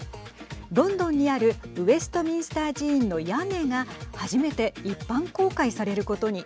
ロンドンにあるウェストミンスター寺院の屋根が初めて一般公開されることに。